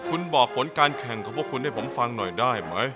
คุณบอกผลการแข่งของพวกคุณให้ผมฟังหน่อยได้ไหม